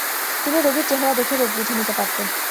তিনি রোগীর চেহারা দেখে রোগ বুঝে নিতে পারতেন।